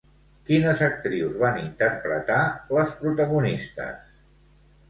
Quines actrius van interpretar les protagonistes?